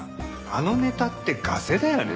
あのネタってガセだよね？